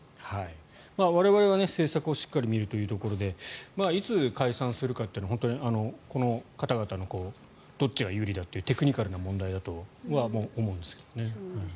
我々は政策をしっかり見るというところでいつ解散するかというのはこの方々のどっちが有利だというテクニカルな問題だとは思うんですけどね。